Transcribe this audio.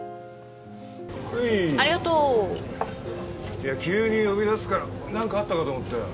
はいありがとういや急に呼び出すから何かあったかと思ったよ